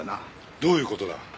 どういう事だ？